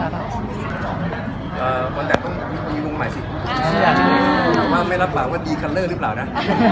แต่ว่าไม่รับหลังว่าตีคัลเลอร์หรือเปล่านะ